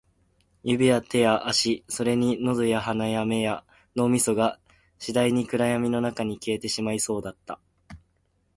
指や手や足、それに喉や鼻や目や脳みそが、次第に暗闇の中に消えてしまいそうだった